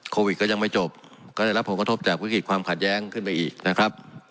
โควิดก็ยังไม่จบก็ได้รับผลกระทบจากวิกฤตความขัดแย้งขึ้นไปอีกนะครับ